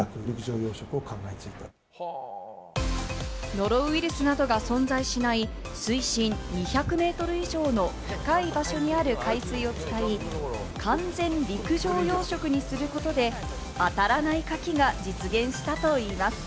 ノロウイルスなどが存在しない、水深２００メートル以上の深い場所にある海水を使い、完全陸上養殖にすることで、あたらないカキが実現したといいます。